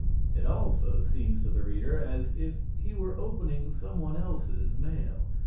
It also seems to the reader as if he were opening someone else's mail.